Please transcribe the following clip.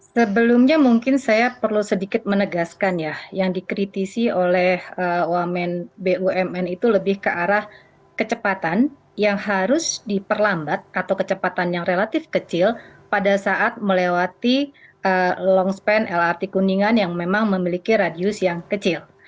sebelumnya mungkin saya perlu sedikit menegaskan ya yang dikritisi oleh wamen bumn itu lebih ke arah kecepatan yang harus diperlambat atau kecepatan yang relatif kecil pada saat melewati longspan lrt kuningan yang memang memiliki radius yang kecil